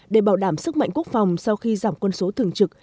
để bảo đảm sức mạnh quốc phòng sau khi giảm quân số thường trực